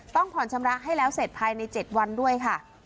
ต้องผ่อนชำระให้แล้วเสร็จภายใน๗วันด้วยค่ะ